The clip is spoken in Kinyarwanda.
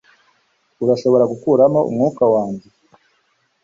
urashobora gukuramo umwuka wanjye